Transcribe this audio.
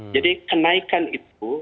jadi kenaikan itu